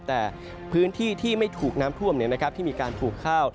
แต่พื้นที่ที่ไม่ถูกน้ำท่วมเนี่ยนะครับที่มีการถูกข้าว